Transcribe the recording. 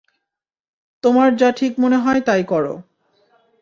তোমার যা ঠিক মনে হয় তাই করো।